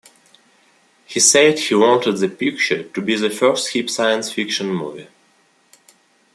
He said he wanted the picture to be the first hip science fiction movie.